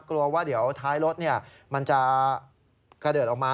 กลัวว่าเดี๋ยวท้ายรถมันจะกระเดิดออกมา